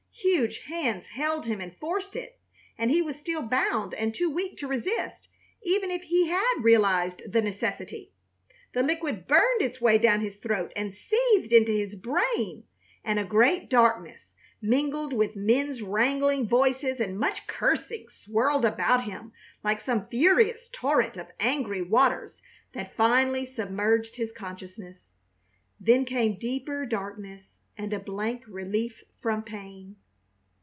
Huge hands held him and forced it, and he was still bound and too weak to resist, even if he had realized the necessity. The liquid burned its way down his throat and seethed into his brain, and a great darkness, mingled with men's wrangling voices and much cursing, swirled about him like some furious torrent of angry waters that finally submerged his consciousness. Then came deeper darkness and a blank relief from pain.